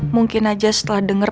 mungkin aja setelah dengerin